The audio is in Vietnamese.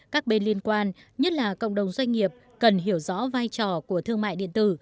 các bên liên quan nhất là cộng đồng doanh nghiệp cần hiểu rõ vai trò của thương mại điện tử